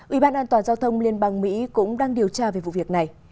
ủy ban an toàn giao thông liên bang mỹ cũng đang điều tra về vụ việc này